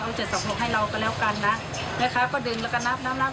เอาเจ็ดสองหกให้เราก็แล้วกันนะแม่ค้าก็ดึงแล้วก็นับนับ